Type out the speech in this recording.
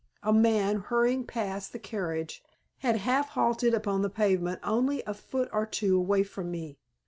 A man hurrying past the carriage had half halted upon the pavement only a foot or two away from me.